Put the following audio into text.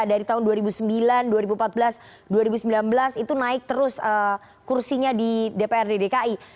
dari tahun dua ribu sembilan dua ribu empat belas dua ribu sembilan belas itu naik terus kursinya di dprd dki